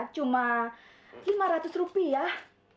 cuma lima ratus rupiah